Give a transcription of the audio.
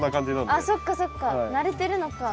あっそっかそっか慣れてるのか。